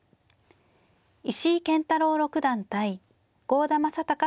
石井健太郎六段対郷田真隆九段。